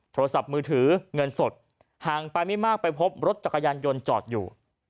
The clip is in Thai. โทรศัพท์มือถือเงินสดห่างไปไม่มากไปพบรถจักรยานยนต์จอดอยู่